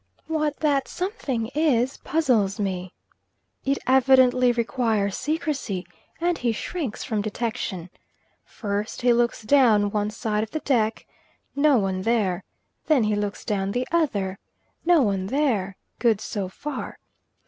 What that something is puzzles me; it evidently requires secrecy, and he shrinks from detection. First he looks down one side of the deck, no one there; then he looks down the other, no one there; good so far.